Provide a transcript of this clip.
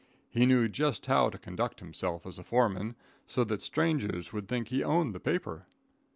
He knew just how to conduct himself as a foreman, so that strangers would think he owned the paper.